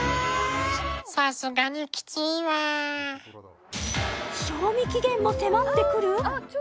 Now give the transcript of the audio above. さすがにきついわ賞味期限も迫ってくる！？